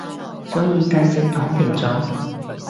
所以間接躺平咗